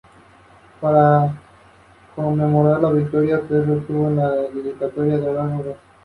Le canta al torero Diego Puerta y al boxeador Pedro Carrasco.